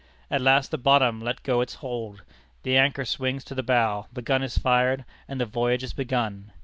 At last the bottom lets go its hold, the anchor swings to the bow, the gun is fired, and the voyage is begun.